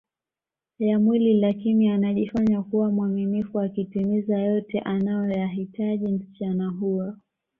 ya mwili lakini anajifanya kuwa mwaminifu akitimiza yote anayoyahitaji msichana huyo